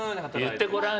言ってごらん？